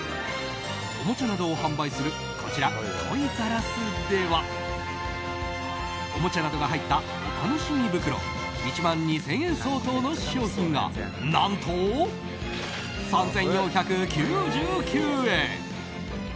おもちゃなどを販売するこちら、トイザらスではおもちゃなどが入ったおたのしみ袋１万２０００円相当の商品が何と３４９９円！